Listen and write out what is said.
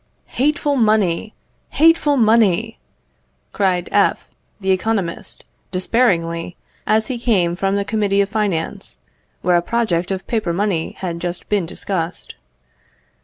"Hateful money! hateful money!" cried F , the economist, despairingly, as he came from the Committee of Finance, where a project of paper money had just been discussed.